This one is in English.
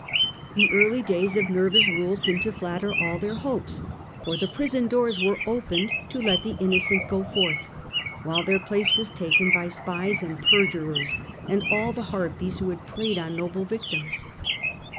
The early days of Nerva's ^ndthe rule seemed to flatter all their hopes, for the agents of prison doors were opened to let the innocent Siny^with go forth, while their place was taken by spies fo>^bearance, and perjurers and all the harpies who had preyed on noble victims.